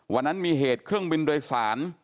วันนั้นมีเหตุเครื่องบินโดยสาร